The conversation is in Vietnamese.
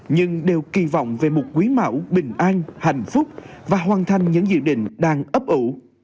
nhưng đều kỳ vọng về một quý mão bình an hạnh phúc và hoàn thành những dự định đang ấp ủ